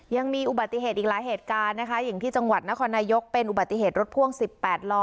ยังมีอุบัติเหตุอีกหลายเหตุการณ์นะคะอย่างที่จังหวัดนครนายกเป็นอุบัติเหตุรถพ่วง๑๘ล้อ